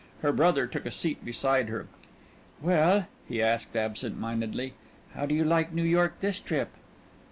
Her brother took a seat beside her. "Well," he asked, absent mindedly, "how do you like New York this trip?"